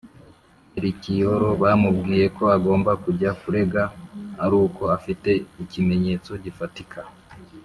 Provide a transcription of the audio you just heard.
merikiyoro bamubwiye ko agomba kujya kurega aruko afite ikimenyetso gifatika